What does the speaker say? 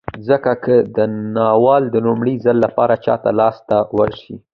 ځکه که دا ناول د لومړي ځل لپاره چاته لاس ته وشي